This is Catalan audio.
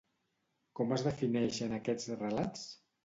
Com es defineixen aquests relats?